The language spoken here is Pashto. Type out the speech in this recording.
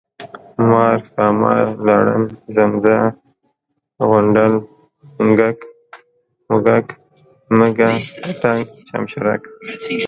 مار، ښامار ، لړم، زمزه، غونډل، منږک ، مږه، پتنګ ، چمچرک،